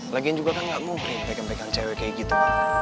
lagian juga kan gak mungkin pegang pegang cewek kayak gitu